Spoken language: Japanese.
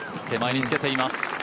手前につけています。